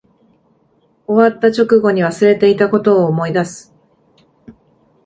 終わった直後に忘れていたことを思い出す